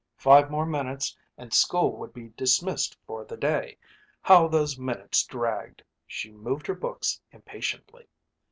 Five more minutes and school would be dismissed for the day. How those minutes dragged. She moved her books impatiently.